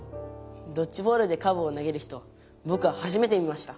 ドッジボールでカーブをなげる人ぼくははじめて見ました。